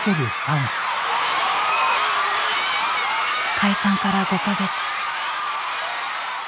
解散から５か月。